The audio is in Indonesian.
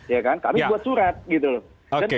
ya kan kami buat surat gitu loh